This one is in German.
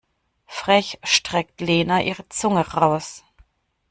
Frech streckt Lena ihr die Zunge raus.